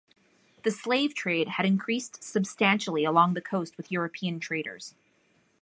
The slave trade had increased substantially along the coast with European traders.